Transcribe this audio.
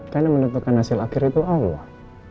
karena menentukan hasil akhir itu allah